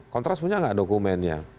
kontras punya nggak dokumennya